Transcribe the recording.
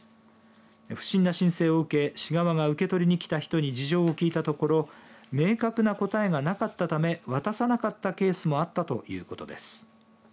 不審な申請を受け市側が受け取りに来た人に事情を聞いたところ明確な答えがなかったため渡さなかったケースもあったということです。